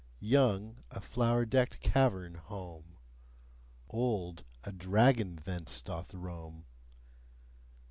Young, a flower decked cavern home; Old, a dragon thence doth roam.